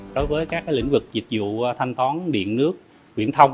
đối với các lĩnh vực dịch vụ thanh toán điện nước quyển thông